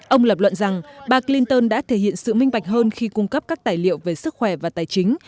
ông lập luận rằng bà clinton đã thể hiện sự minh bạch hơn khi cung cấp các tài liệu về sức khỏe và tài chính